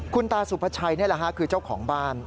คุณตาสุภาชัยนี่แหละค่ะคือเจ้าของบ้าน